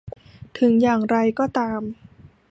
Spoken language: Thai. ถึงอย่างไรก็ตาม